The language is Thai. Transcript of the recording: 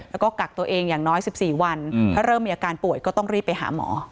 แล้วก็กักตัวเองอย่างน้อย๑๔วันถ้าเริ่มมีอาการป่วยก็ต้องรีบไปหาหมอ